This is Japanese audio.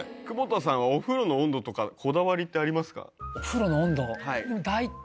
窪田さんはお風呂の温度とかこだわりってありますか？